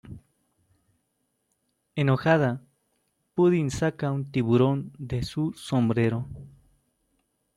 Enojada, Pudding saca un tiburón de su sombrero.